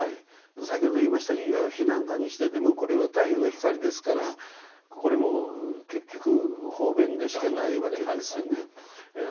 先ほど言いました夕日なんかにしてでもこれは太陽の光ですからこれも結局方便でしかないわけですよね。